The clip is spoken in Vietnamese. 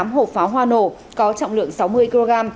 bốn mươi tám hộp pháo hoa nổ có trọng lượng sáu mươi kg